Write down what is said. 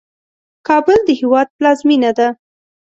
کابل د هیواد پلازمېنه ده.